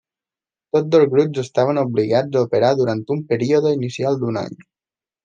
Tots dos grups estaven obligats a operar durant un període inicial d'un any.